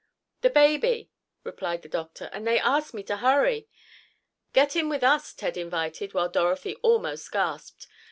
"The baby," replied the doctor, "and they asked me to hurry." "Get in with us," Ted invited, while Dorothy almost gasped.